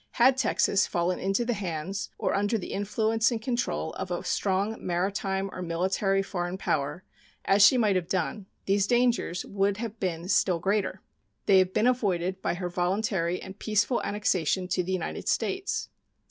Had Texas fallen into the hands or under the influence and control of a strong maritime or military foreign power, as she might have done, these dangers would have been still greater. They have been avoided by her voluntary and peaceful annexation to the United States.